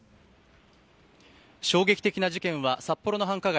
衝撃的な事件は札幌の繁華街